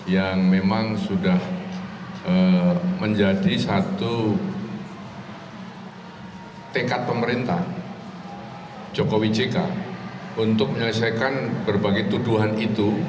yang memang sudah menjadi satu tekad pemerintah jokowi jk untuk menyelesaikan berbagai tuduhan itu